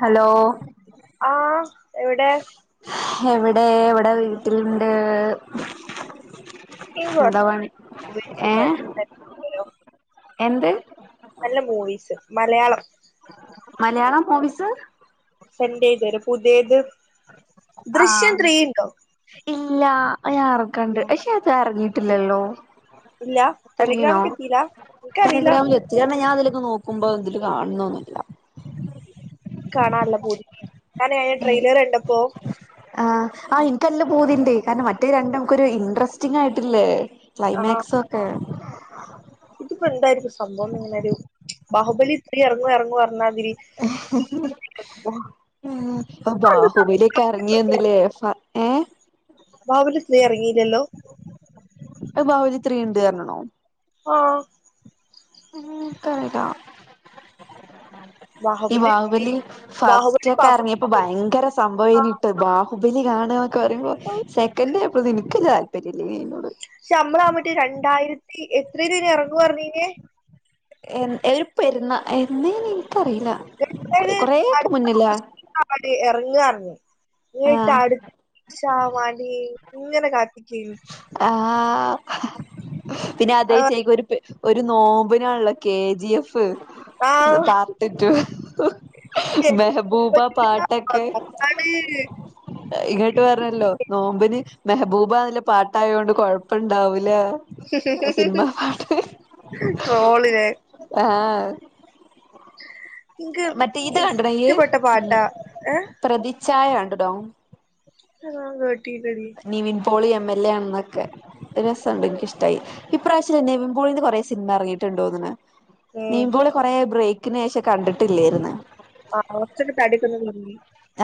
Hello ആഹ് എവിടെ എവിടെ ഇവടെ വീട്ട്ല്ണ്ട്. എന്താ പണി മൂവീസ് ഏ എന്ത്? നല്ല മൂവീസ് മലയാളം മലയാളം മൂവീസ് സെന്റെയ്തെരോ പുത്യേത് ദൃശ്യം ആഹ് ത്രീ ഇണ്ടോ? ഇല്ല ആഹ് അത് ഞാറക്കണ്ട് അയ്ഷേ അത് എറങ്ങീട്ടില്ലല്ലോ. ഇല്ല ടെലിഗ്രാമ്ക്കെത്തീല ഇൻക്കറീല [unintelligible] ഞാൻ ഇതില് ങ്ങനെ നോക്കുമ്പോ ഇതില് കാൺണൊന്നുല്ല. കാണാല്ല പൂതിണ്ടായ്നി. കാരണം ഞാൻ അയിന്റെ ട്രൈലറ് കണ്ടപ്പോ ആഹ് ആ ഇൻക്കല്ല പൂതിണ്ട് കാരണം മറ്റേ രണ്ടും മ്മക്കൊരു ഇൻട്രസ്റ്റിങായിട്ടില്ലേ ക്ലൈമാക്സൊക്കെ ഇത്പ്പോ എന്തായിരിക്കും സംഭവം ന്ന് ങ്ങനൊരു ബാഹുബലി ത്രീ എർങ്ങും എർങ്ങും പറഞ്ഞാതിരി പ്പ ബാഹുബലിയൊക്കെ എറങ്ങ്യന്ന്ലേ ഫ ഏഹ് ബാഹുബലി ത്രീ എർങ്ങീല്ലല്ലോ? അത് ബാവുലി ത്രീ ഇണ്ട് അർഞ്ഞ്ണോ ഓഹ് ഉം ഇൻക്കറീല ഈ ബാഹുബലി ഫസ്റ്റ് ബാഹുബലി ഒക്കെ എർങ്ങിയപ്പോ ഫാസ്റ്റ് ഭയങ്കര സംഭവേനിട്ടോ ബാഹുബലി കാണാക്കെ പറിമ്പോ ആഹ് സെക്കന്റെ ആയപ്പോത്തിന് ഇൻക്ക് താൽ പ്പര്യ ഇല്ലെനി അയ്നോട്‌ ക്ഷെ അമ്മള [unintelligible] രണ്ടായിരത്തി എത്രേലേനി എറങ്ങു അർഞ്ഞീനേ എന്ന് ഏതൊരു പെര്ന്നാ എന്നേനി ഇൻക്കറീല ഏത് അടുത്ത ഓഗസ്റ്റ് [inaudible] എറങ്ങാർഞ്ഞേ ഇങ്ങട്ട് ആഹ് അടു ഷാവാണ്ടി ഇങ്ങനെ കാത്തിക്കേനു. ആഹ് പിന്നെ അതേ ചേക്ക് ഒരു പെ ഒരു നോമ്പ്നാണല്ലോ കെ ജി എഫ് ആഹ് പാർട്ട് റ്റൂ മെഹബൂബ പാട്ടൊക്കെ ഇങ്ങട്ട് പറഞ്ഞല്ലോ നോമ്പിന് മെഹബൂബ ന്ന്ല്ല പാട്ടായോണ്ട് കൊഴപ്പംണ്ടാവൂല സിൻമാ പാട്ട് ട്രോളിലെ ആഹ് ഇൻക്ക് മറ്റേ ഇത് കണ്ട്ണോ ഇയ്യ് ഇഷ്ടപ്പെട്ട പാട്ടാ ഏഹ് പ്രതിഛായ കണ്ട്ടോ അത് ഞാൻ കേട്ടീല്ലെടി Nivin Pauly M L A ആന്നൊക്കെ അത് രസണ്ട് ഇൻക്ക് ഇഷ് ട്ടായി. ഇപ്രാവശ്യം നിവിൻപോളിന്റെ കൊറേ സിൻമ എറങ്ങിട്ട്ണ്ടോന്ന്ണ്. ഉം നിവിമ്പോളി കൊറേ ബ്രേക്കിനേഷം കണ്ടിട്ടില്ലേയിര്ന്ന്. ആഹ് കൊർച്ചെക്കെ തടിയൊക്കെ ഒന്ന് കൊർഞ്ഞീ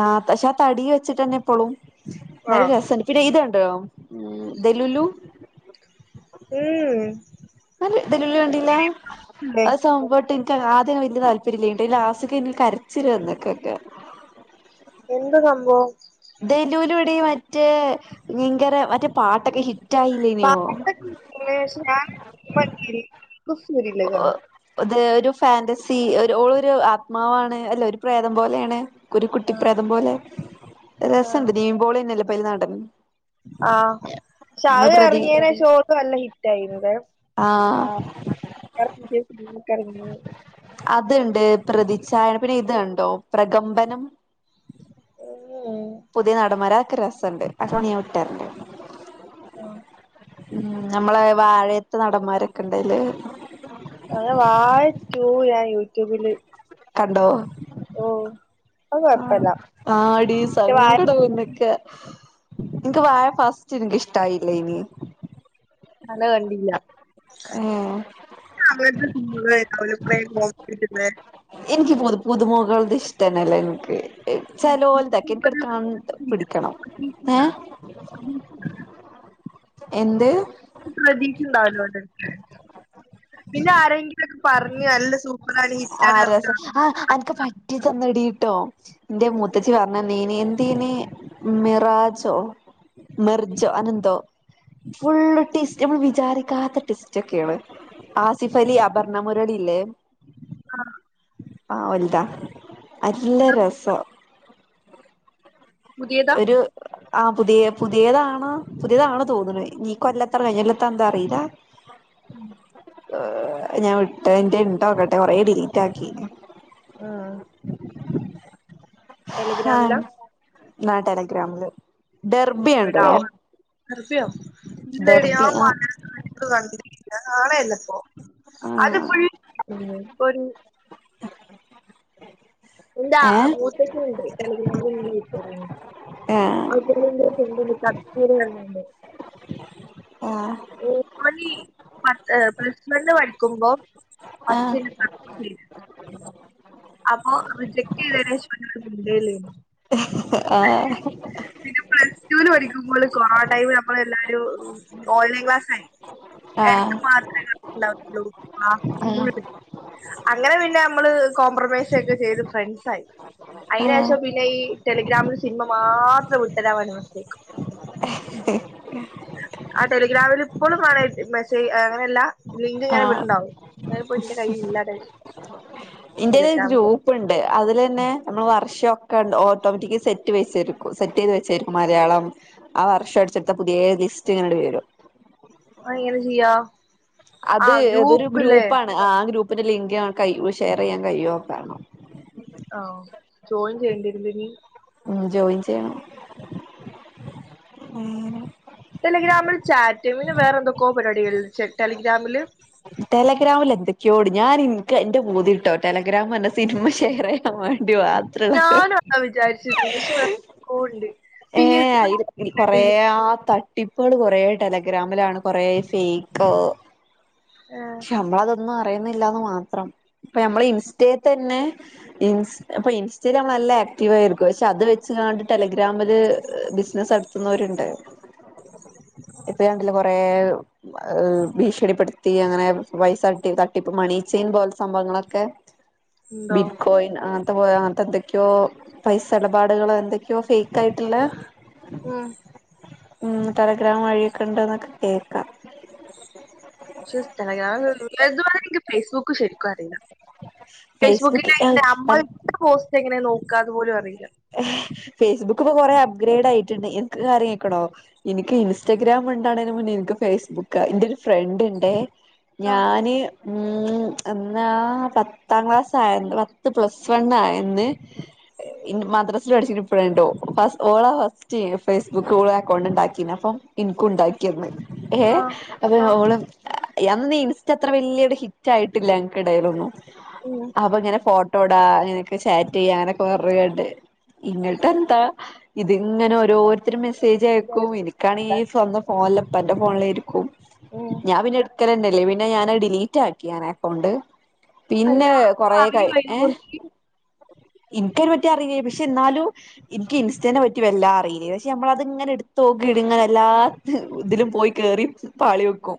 ആഹ് പക്ഷെ ആ തടി വെച്ചിട്ടന്നെ ഇപ്പളും ന്നാലും ആഹ് രസണ്ട്. പിന്നെ ഇത് കണ്ടോ ഉം ദെലുലു ഉം നല്ല് ദെലുലു കണ്ടില്ല ല്ലേ അഹ് സംഭവട്ട് ആദ്യന്നും വെല്ല്യ താല്പര്യല്ലേനിട്ടോ ഈ ലാസ്റ്റ്കേന്നു കര്ച്ചില് വന്ന്കൊക്കെ എന്ത സംഭവം ദേലൂലുടി മറ്റേ ഇങ്കര മറ്റേ പാട്ടൊക്കെ ഹിറ്റായി [inaudible] ക്കു ഫൂതില്ല കാണാ ഒത് ഒരു ഫേന്റസി ഒരു ഓളൊരു ആത്മാവാണ് അല്ല ഒരു പ്രേതം പോലേണ്. ക്കൊരു കുട്ടി പ്രേതം പോലെ ആഹ് രസണ്ട് നീവിൻപൊളിയന്നല്ലേ പ്പഅയില് നാടൻ ആഹ് ക്ഷേ അഹ് പ്രതി എറങ്ങിയനേഷം ഓള് നല്ല ഹി ടൈബ്രെവ് ആഹ് [unintelligible] അത്ണ്ട് പ്രതിച്ഛായ പിന്നെ ഇത്കണ്ടോ പ്രകമ്പനം [unintelligible] പുതിയ നടന്മാര അതൊക്കെ രസണ്ട് അതോണിയെ ഞാൻ വിട്ടര്ണ്ട് ആഹ് ഉം നമ്മളെ വാഴയത്തെ നടന്മാരൊക്കെ ഇണ്ട്ലേ അങ്ങനെ വാഴ റ്റൂ ഞായൂറ്റൂബില് കണ്ടോ അത് ആ കൊഴപ്പല്ല ആടി പക്ഷെ വാഴ സങ്കടം ഒന്നിക്ക എനിക്ക് വായ ഫസ്റ്റ് എനക്ക് ഇഷ്ടമായില്ലേ ഇനി അന കണ്ടില്ല ഉം [inaudible] അവ അവ പ്രേുന്ന [inaudible] എനിക്ക് എനിക്ക് പുതപ്പ് മുഖത്ത് ഇടുന്ന ഇഷ്ടമല്ല എനിക്ക് ചലോലുതാക്കെ എനിിക്കെടുക്ക പിടിക്കണം ഏ ഉ [inaudible] [inaudible] എന്ത് പ്രതീക്ഷുണ്ടാവല്ലോ അത പിന്നെ ആരെങ്കിലുംൊക്കെ പറഞ്ഞു നല്ല സ ആ രസ ആഹ എനക്ക് പറ്റി ചന്നെടിട്ടോ എന്റെ മുത്തച്ച പറഞ്ഞ നീന തനിെ മിറാജോ മിർജോ അനന്തോ ഫുള്ള് ടേസ്റ്റ് നമ്മൾ വിചാരിക്കാത്ത ടടെസ്റ്റ് ഒക്കെയാണ് ആസിഫ് അലി അഭർണമുരളില്ലേ ആ് ഒതാ അല്ല രസം പുതിയതാ ഒരു ആഹ് പുതിയ പുതിയതാാണ്ോ പുതിയതാണോ തോന്നുന്നു നീക്ക അല്ലാത്താ കഴിഞ്ഞല്ലാത്ത എന്താ അറിയില്ല [inaudible] ഞാൻ വിട്ട എന്റെ ഉണ്ടോക്കട്ടെ കൊറെേ ഡിലീറ്റ് ആക്കിന് ആഹ് ആഹ ടെലിഗ്രാമിലാ നാ ടെലഗ്രാമില് ഡെർബി ഉണ്ടണോ അഭിയോ ഇല്ലട ആ മഴ കണ്ടില്ല ആണല്ല ആ അത് ഫൾ ഒരു എന്താ ഏ മൂടി ഉ [inaudible] ട്ട് ആ െബീണ്ട് [inaudible] ആ ഓ പത്ത് പ്ലസ് മണ് പഠിക്കുമ്പോ പസ് ഉ [inaudible] [inaudible] അപ്പൊ റിജക്ട് ചെയ്ത അനേജ പിണ്ടല്ലേന്ന് ആഹ പിന്നെ പ്ലസ് ൂവിന് പഠിക്കുമ്പോൾ കൊറോണ ടൈമ നമ്മൾ എല്ലാരും ഓൺലൈൻ ക്ലാസ് ആായി എടക്ക് മാത്രല്ല ഉള്ളൂ ആ അങ്ങനെ പിന്നെ നമ്മള് കോംപ്രമൈസ ഒക്കെ ചെയ്ത് ഫ്രണ്ട്സ ആായി ആ അയിേഷം പിന്നെ ഈ ടെലിഗ്രാമിലിൽ സിനിമ മാത്രം ഉട്ടതമ നമസ്േക്ക് ആ ടെലിഗ്രാമിൽ ഇപ്പോഴും കാണ മെസ്സേജ് അങ്ങനെയല്ല ലിങ്ക് ആ ഇങ്ങനെ ഇവിടുണ്ടാവും അപ്പോ ഇതിന്റെ കയ് ഇല്ലാത വലക്കാമ ഉപ്പുണ്ട് അതില് തന്നെ നമ്മള് വർഷംൊക്കെണ്ട് ഓട്ടോമാറ്റിക്ക സെറ്റ് വെച്ചും സെറ്റ് ചെയ്ത് വെച്ചരിക്കും മലയാളം ആ വർഷ അടിച്ചെടുത്ത പുതിയ ലിസ്റ്റ് ഇങ്ങനട് പേരും ആ എങ്ങനെ ചെയ്യാ ആ അത് ഇതൊരു ഗ്രൂപ്പില്ലേ ഗ്രൂപ്പാണ് ആ ഗ്രൂപ്പിന്റെ ലിങ്ക് ക ഷെയർ ചെയ്യാൻ കഴിയുവോണോ ആഹ ജോയിൻ ചെയ്യേണ്ടില്ല ഉം ജോയിൻ ചെയ്യണ ടെലിഗ്രാമിൽ ചാറ്റ് പിന്നെ വേറെ എന്തൊക്കോ പരിപാടിക ടെലിഗ്രാമില് ടെലഗ്രാമിൽ എന്തൊക്കെയോട് ഞാൻ എനിക്ക് എന്റെ ബൂതി ഇട്ടോ ടെലഗ്രാം ന്ന സിനിമ ഷെയർ ചെയ്യാൻ മ്മണ്ടി വ ഞാനാ വിചാരിച്ചത് [unintelligible] ഏഹ് അയി കൊറെ ആഹ് ത ട്ടിപ്പുക്കള് കൊറെ ടെലഗ്രാമിലാണ് കൊറെ ഫേക്ക് പക്ഷെ നമ്മളത് ഒന്നും അറിയുന്നില്ലാന്ന് മാത്രം ഇപ്പ നമ്മൾ ഇൻസ്റ്റ തന്നെ ഇ അപ്പൊ ഇൻസ്റ്റ നല്ല ആക്റ്റീവ് ആയിരിക്കും പക്ഷെ അത് വെച്ച് ങ്ങാണ്ട് ടെലിഗ്രാമിൽ ബിസിനസ് നടത്തുന്നവരുണ്ട് ഇപ്പണ്ടില്ല കൊറെ ഭീഷണിപ്പെടുത്തി അങ്ങനെ പൈസട്ടി തട്ടിപ്പ് മണീച്ചെയിൻ പോലെ സംഭവങ്ങളൊക്കെ ഉണ്ടോ ബിറ്റ്കോയിൻ അങ്ങനത്തെ പോ അങ്ങനത്തെ എന്തൊക്കെയോ പൈസ ഇടപാടുകൾ എന്തൊക്കെയോ ഫേക്ക് കായിട്ടുള്ള ഉം ടെലിഗ്രാം വഴിയൊക്കെ ഉണ്ട് എന്ന് കേൾക്കാം പക്ഷെ [unintelligible] എക്ക് ഫേസ്ബുക്ക് ശരിക്കും അറിയില്ല ഫേസ്ബുക്ക് ഫേസ്ബുക്കിലെ നമ്മടെ പോസ്റ്റ് എങ്ങനെയ നോക്കാ എന്ന് പോലും അറിയില്ല ഫേസ്ബുക്ക് ഇപ്പൊ കൊറെ അപ്ഗ്രേഡ് ആയിട്ടുണ്ട് എനക്ക് കാര്യം കേക്കണോ എനിക്ക് ഇൻസ്റ്റാഗ്രാം ഉണ്ടാണതിന് മുന്നേ എനിക്ക് ഫേസ്ബുക്ക് എന്റെ ഒരു ഫ്രണ്ട് ഉണ്ടെ ആഹ് ഞാന് ഉം എന്നാ പത്താം ക്ലാസ്സ് ആയ പത്ത് പ്ലസ് വൺ ആയെന്ന് ഇമദ്രാസൽ പഠിച്ചിട്ട ഇപ്പഴുണ്ടോ ഓള ഫസ്റ്റ് ഫേസ്ബുക്ക് ഓള അക്കൗണ്ട് ഉണ്ടാക്കി അപ്പം എനക്ക് ഉണ്ടാക്കി തന്ന് ഏഹ ആഹ് അപ്പൊ ആഹ് ഓളും അന്ന് ഇൻസ്റ്റ അത്ര വലിയൊരു ഹിറ്റ് ആയിട്ടില്ല ഞങ്ങൾക്കിടയിലൊന്നും ഉം അപ്പൊ ഇങ്ങനെ ഫോട്ടോ ട്ടോടാ ഇങ്ങനൊക്കെ ചാറ്റ് ചെയ്യ അങ്ങനൊക്കെ പറഞ്ഞുക്കാണ്ട് ഇങ്ങോട്ട എന്താ ഇതിങ്ങനെ ഓരോരുത്തർ മെസ്സേജ് ആയക്കും എനിക്ക് ക്കണെ ഈ സ്വന്തം ഫോണിലപ്പ ഇപ്പന്റെ ഫോണിലരിക്കും ഉം ഞാൻ പിന്നെ എടുക്കലന്നെ ഇല്ല പിന്നെ ഞാന് ഡിലീറ്റ് ആക്കി ഞാൻ ആഹ് അക്കൗണ്ട് അല്ല പിന്നെ പറയൂ കൊറക്കായി അതിനെ ഏഹ് കുറിച്ച് ഇനിക്കൊറ്റ അറിയേ പക്ഷെ എന്നാലും എനിക്ക് ഇൻസ്റ്റേനെ പറ്റി വല്ലാ അറിയില്ലേ പക്ഷെ നമ്മളത് ഇങ്ങനെ എടുത്ത് നോക്കി ഇടുങ്ങന എല്ലാ ഇതിലും പോയി കേറി പാളി വെക്കും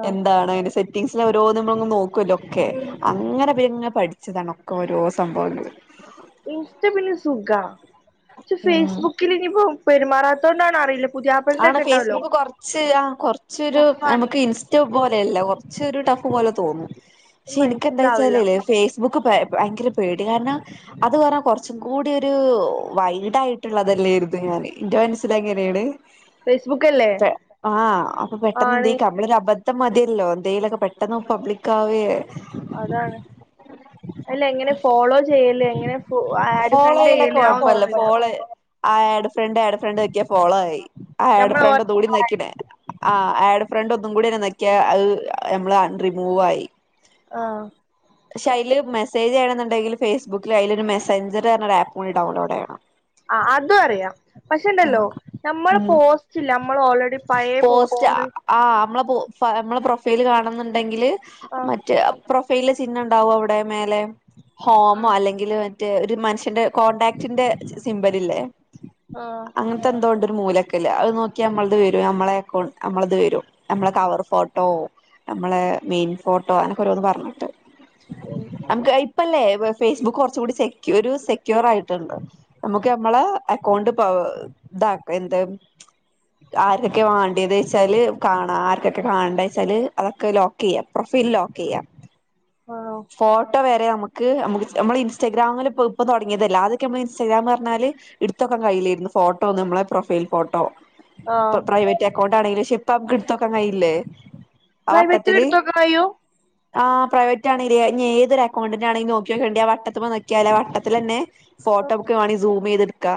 ആഹ് എന്താണ് അതിന്റെ സെറ്റിംഗസില ഓരോ നമ്മളങ് നോക്കുവല്ലോ ഓക്കെ ഉം അങ്ങനെ ഒരോന്ന് പഠിച്ച ച്ചതണ് ഒരോ സംഭവങ്ങള് ഇൻസ്റ്റ പിന്നെ സുഖ പക്ഷ ഉം ഫേസ്ബുക്കിൽ ഇനിപ്പോ പെരുമാറാത്തോണ്ടാണോ എന്ന് അറിയില്ല പുതിയാപ്പളിന്റെ ആണ് ഒക്കെ ഉണ്ടാവല്ലോ ഫേസ്ബുക്ക് കുറച്ച് ആഹ് കുറച്ചൊരു ടഫാണ് നമുക്ക് ഇൻസ് പോലെയല്ല കുറച്ചരു ടഫ് പോലെ തോന്നും പക്ഷെ എനിക്കെന്താ മനസ്സിലാവില്ല വെച്ചാലില്ലെ ഫ സ് ബുക്ക് ഭയങ്കര പേടിയ കാരണം അത് പറഞ്ഞാ കുറച്ചും കൂടിയോരു വൈഡ് ആയിട്ടുള്ളതല്ലേയിരുന്നു അത് എന്റെ മനസ്സിൽ അങ്ങനെയാണ് ഫേസ്ബുക്ക് അല്ലേ ആഹ് അപ്പൊ പെട്ടെന്ന് ആണ് എന്തേ നമ്മള് അബ ത്തം മതിയല്ലോ എന്തെയിലൊക്കെ പെട്ടെന്ന് പബ്ലിക്ക് ആവേ അതാണ് അല്ല എങ്ങനെ ഫോളോ ചെയ്യല് എങ്ങനെ ആഡ് ഫ്രണ്ട് ഫോളോയിലൊക്കെ ചെയ്യല് കൊഴപ്പല്ല follow [unintelligible] add friend add friend ഞെക്കിയ ഫോളോ ആയി ആഡ് നമ്മള് ഫ്രണ്ട് ഓരോ ഒന്നുടെ ഞെകിനെ ആഹ് ആഡ് ഫ്രണ്ട് ഒന്നും കൂടി ഞെക്കിയ അത് നമ്മള് റിമൂവ് ആയി ആഹ് പക്ഷെ അതില് മെസേജ് ചെയ്യണ എന്നുണ്ടെങ്കിൽ ഫേസ്ബുക്കില് അയില് ഒരു മെസഞ്ചർ പറഞ്ഞ ഒരു ആപ്പ് കൂടി ഡൗൺലോഡ് ചെയ്യണം ആഹ് അതും അറിയാം പക്ഷേണ്ടല്ലോ ആഹ് നമ്മള് ഉം പോസ്റ്റ്ല്ല നമ്മള് ഓൾറെഡി പഴയ പോസ്റ്റുകൾ ആഹ് നമ്മള നമ്മെ പ്രൊഫൈല് കാണുന്നുണ്ടെങ്കില് ആഹ് മറ്റേ പ്രൊഫൈല ചിഹ്നംണ്ടാവും അവിടെ മേലെ ഹോമോ അല്ലെങ്കിൽ മറ്റേ ഒരു മനുഷ്യന്റെ കോണ്ടാക്റ്റിന്റെ സിമ്പല ഇല്ലേ ആഹ് അങ്ങനത്തെ എന്തോണ്ട് മൂലക്കല് അത് നോക്കി നമ്മളത് വരും നമ്മളെക്ക നമ്മളത് വരും നമ്മളെ കവർ ഫോട്ടോ നമ്മള മെയിൻ ഫോട്ടോ അങ്ങൊക്കെ ഓരോന്ന് പറഞ്ഞിട്ട് ഉം നമുക്ക് ഇപ്പല്ലേ ഫേസ്ബുക്ക് കുറച്ച കൂടി സെക്യൂ സെക്യൂർ ആയിട്ടുണ്ട് നമുക്ക് നമ്മളെ അക്കൗണ്ട് ഇത എന്ത് ആര്ക്കൊക്കെ വാണ്ട്യത്ച്ചാല് കാണാ ആര്ക്കെക്കെ കാണണ്ടേച്ചാല് അതൊക്കെ ലോ ക്കെയ്യാ പ്രൊഫൈല് ലോക്കെയ്യാ ആണോ ഫോട്ടോ വരെ നമ ക്ക് നമുക്ക് നമ്മള് ഇൻസ്റ്റഗാമില് ഇപ്പോ ഇപ്പൊ തൊടങ്ങിയതല്ലെ ആദ്യൊക്കെ നമ്മള് ഇൻസ്റ്റഗ്രാമർഞ്ഞാല് ഇട്ത്തെക്കാൻ കയ്യിലേര്ന്നു ഫോട്ടോന്നും നമ്മളെ പ്രൊഫൈൽ ഫോട്ടോ ആഹ് പ്രൈവറ്റ് അക്കൗണ്ട് ആണെങ്കിലും പക്ഷെ ഇപ്പമ്മക്ക് ഇട്ത്തോക്കാൻ കയ്യില്ലേ ആഹ് പ്രൈവറ്റില് വട്ടത്തില് എടുത്ത് വെക്കാൻ കഴിയോ ആഹ് പ്രൈവറ്റാണ്വെരാ ഏതൊരുക്കൗണ്ടൻ്റാണേലും നോക്ക്യോക്കേണ്ടി ആ വട്ടത്തിമെ നക്ക്യാല് ആ വട്ടത്തിലെന്നെ ഫോട്ടോ ഒക്കെ വേണങ്കി സൂമെയ്ത്ട്ക്കാ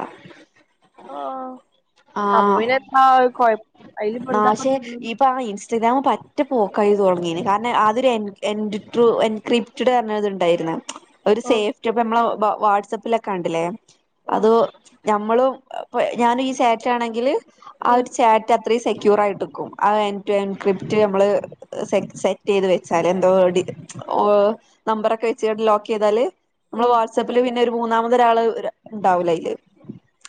ആഹ് അപ്പൊ ആഹ് പിന്നെ എന്താ കൊയ ഐല്പെന്താപ്പള്ളെ ഇപ്പോ ആ ഇൻസ്റ്റഗ്രാമ് പറ്റെ പോക്കയി തൊടങ്ങീണ് കാരണം അദ്യൊരു എൻ എൻട്രു എൻക്രിപ്റ്റ് റ്റ്ട് അർഞ്ഞ ഒര്ത്ണ്ടായിര്ന്ന് ഒരു ആഹ് സേഫ്റ്റിപ്പം നമ്മളെ വാട്സപ്പിലൊക്കെ കണ്ടിലെ ആഹ് അത് നമ്മളും ഇപ്പ ഞാന് ഈ ചാറ്റാണെങ്കില് ആ ഒരു ഉം ചാറ്റ് അത്രീം സെക്യൂറായിട്ട്ക്കും ആഹ് എൻ എൻക്രിപ്റ്റ് നമ്മള് സെ സെറ്റെയ്ത് വെച്ചാല് എന്തോടി ഓ നമ്പറൊക്കെ വെച്ചാണ്ട് ലോക്കെയ്താല് നമ്മള് ഉം വാട്സപ്പില് പിന്നെ ഒരു മൂന്നാമതൊരാള് ഇണ്ടാവൂല ഐല്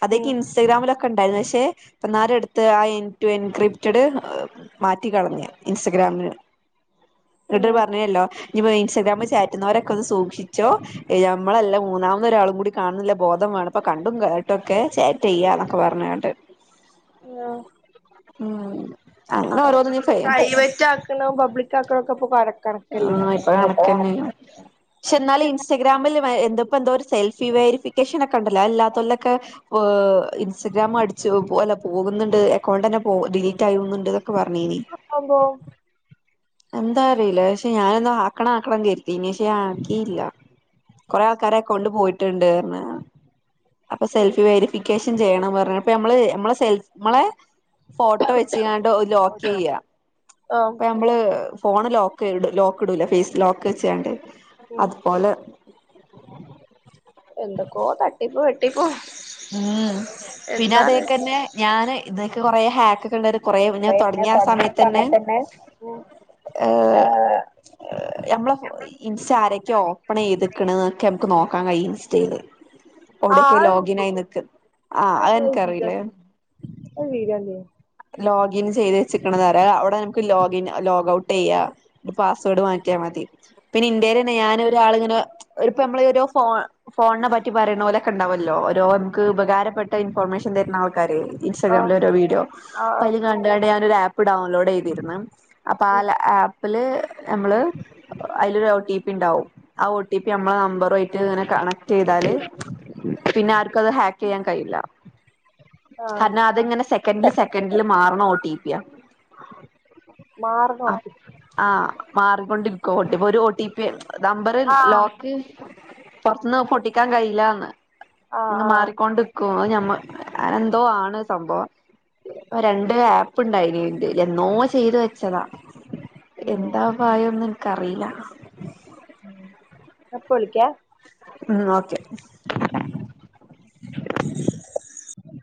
അതൊക്കെ ഉം ഇൻ സ്റ്റെഗ്രാമിലൊക്കെ ഇണ്ടായിരുന്നു പക്ഷെ ഇപ്പന്നാരെ എട്ത്ത് ആ എ എൻക്രിപ്റ്റഡ് മാറ്റിക്കളഞ്ഞ് ഇൻസ്റ്റഗ്രാമില് ഇന്ന്ട്ട് ആഹ് പർഞ്ഞല്ലോ ഇഞ്ഞിപ്പൊ ഇൻസ്റ്റാഗ്രാമില് ചാറ്റുന്നവരൊക്കെ ഒന്ന് സൂക്ഷിച്ചോ നമ്മളല്ല മൂന്നാമതൊരാളും കൂടി കാണുന്ന്ല്ല ബോധംവാണം അപ്പൊ കണ്ടും കേട്ടൊക്കെ ചാറ്റെയ്യാ എന്നൊക്കെ പർഞ്ഞാണ്ട് ഹലോ ഉം അങ്ങനെ ഓരോന്നിനും ഫേ പ്രൈവറ്റാക്ക്ണോ പബ്ലിക്കാക്ക്ണോപ്പൊ കണ ആഹ് ഇപ്പൊ കണക്കെന്നേണ് പക്ഷെ ന്നാലും ഇൻസ്റ്റാഗ്രാമില് എന്തപ്പ എന്തോര് സെൽഫി വെരിഫിക്കേഷൻനൊക്കെ ഇണ്ടല്ലോ അല്ലാത്തോൽതൊക്കെ പ്പോ ഇൻസ്റ്റാഗ്രാമ് അടിച്ചു അല്ല പോക്ന്ന്ണ്ട് അക്കൗണ്ടന്നെ പോ ഡിലീറ്റാകുന്ന്ണ്ട് എന്നൊക്കെ പർഞ്ഞീനി ആ പ്പെന്തോ എന്താറീലാ പക്ഷെ ഞാനെന്നും ആക്കണം ആക്കണം കര്തീനി പക്ഷെ ആക്കീല്ല കൊറെ ആൾക്കാരെ അകൗണ്ട് പോയിട്ട്ണ്ട്ർഞ്ഞ് അപ്പൊ സെൽഫി വെരിഫിക്കേഷൻ ചെയ്യണം പർഞ്ഞ് അപ്പം നമ്മള് നമ്മളെ സെൽ നമ്മളെ ഫോട്ടോ വെച്ച്കാണ്ട് ലോക്കെയ്യാ ആഹ് നമ്മള് ഫോണ് ലോക്ക് ലോക്ക്ടൂലെ ഫേസ് ലോക്ക് വെച്ചാണ്ട് ഉം അത്പോലെ എന്തൊക്കോ തട്ടിപ്പോ വെട്ടിപ്പോ ഉം പിന്നെ അതേക്കെന്നെ ഞാന് ഇതൊക്കെ കൊറെ ഹാക്ക് കൊറെ ഞാൻ തൊടങ്ങ്യാ സമയത്തന്നെ ഏ നമ്മളെ ഇൻസ്റ്റെ ആരൊക്കെ ഓപ്പണെയ്ത്ക്ക്ണ് ന്നൊക്കെ നമുക്ക് നോക്കാൻ കഴിയും ഇൻസ്റ്റേല് ആ എവിടെക്കെ അത്ണ്ട് ഗിനായി നിക്ക് ആഹ് അത് അതൻക്കറീലെ അത് വീരല്ലേ ലോഗിൻ ചെയ്ത് വെച്ചിക്ക്ണതാര അവിടെ നമ്ക്ക് ലോഗിൻ ലോഗൗട്ടെയ്യാ ഒരു പാസ് വേർഡ് മാറ്റിയാ മതി പിന്നെ ഇന്റേന്നെ ഞാന് ഒരാള്ങ്ങനെ ഒര്പമ്മള് ഓരോ ഫോ ഫോൺനെ പറ്റി പറയ്ണോലൊക്കെ ഇണ്ടാവല്ലോ ഓരോ നമ്ക്ക് ഉപകാരപ്പെട്ട ഇൻഫോർമേഷൻ തെര്ന്ന ആൾക്കാര് ആ ഇൻസ്റ്റാഗ്രാമില് ഓരോ വീഡിയോ ആ അപ്പ ഐല് കണ്ടാണ്ട് ഞാൻ ഒരു ആപ്പ് ഡൗൺലോഡെയ്തിര്ന്ന് അപ്പാ ആല ആ പ്പില് നമ്മള് ഐലൊരു ഒ ടി പി ഇണ്ടാവും ആഹ് ഒ ടി പി നമ്മള നമ്പറു റ്റ്ങ്ങനെ കണക്റ്റെയ്താല് പിന്നെ ആർക്കത് ഹാക്കെയ്യാൻ കഴിയില്ല ആ കാരണം അത്ങ്ങനെ സെക്കൻഡില് സെക്കൻഡ് ല് മാറ്ണ ഓ ടി പി യാ മാർണ ഒ ടി ആഹ് മാറിക്കൊണ്ടിരിക്ക ഒ ടി ഒരു ഒ ടി പി നമ്പർ ആ ലോക്ക് പൊറത്ത്ന്ന് അത് പൊട്ടിക്കാൻ കഴയില്ലാന്ന് ആ അങ് ആ മാറി കൊണ്ട്ക്കും അഹ് ഞമ്മ എന്തോ ആണ് സംഭവം രണ്ട് ആപ്പ്ണ്ടായിന്ന് തിൽ എന്നോ ചെയ്തു വെച്ചതാ ഉം എന്താ പ്രായംന്ന് എനിക്കറിയില്ല ഞാൻ ഇപ്പ വിളിക്കെ ഉം ഓക്കെ